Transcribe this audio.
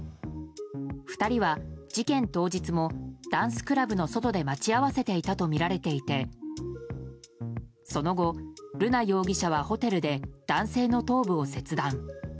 ２人は事件当日もダンスクラブの外で待ち合わせていたとみられていてその後、瑠奈容疑者はホテルで男性の頭部を切断。